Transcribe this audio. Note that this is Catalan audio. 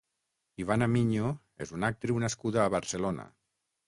Ivana Miño és una actriu nascuda a Barcelona.